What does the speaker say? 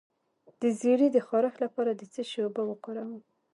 د زیړي د خارښ لپاره د څه شي اوبه وکاروم؟